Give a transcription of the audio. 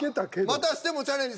またしてもチャレンジ